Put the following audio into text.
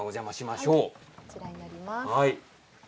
こちらになります。